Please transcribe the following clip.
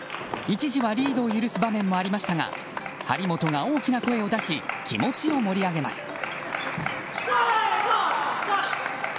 一時はリードを許す場面もありましたが張本が大きな声を出し気持ちを盛り上げます。